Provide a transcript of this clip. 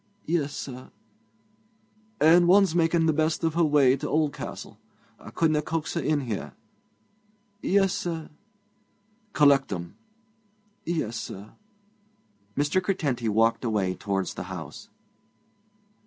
'Yes, sir.' 'And one's making the best of her way to Oldcastle. I couldna coax her in here.' 'Yes, sir.' 'Collect 'em.' 'Yes, sir.' Mr. Curtenty walked away towards the house.